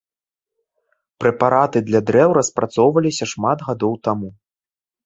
Прэпараты для дрэў распрацоўваліся шмат гадоў таму.